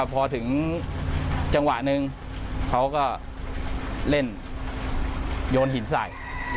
พอถึงจังหวะหนึ่งเขาก็เล่นโยนหินใส่